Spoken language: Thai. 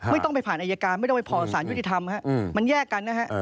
ไม่ต้องไปผ่านอายการไม่ต้องไปพอสารยุติธรรมมันแยกกันนะฮะ